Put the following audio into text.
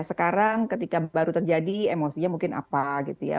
sekarang ketika baru terjadi emosinya mungkin apa gitu ya